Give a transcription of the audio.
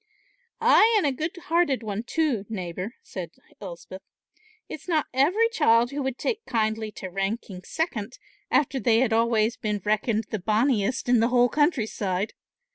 "Ay and a good hearted one too, neighbour," said Elspeth. "It's not every child who would take kindly to ranking second after they had always been reckoned the bonniest in the whole countryside.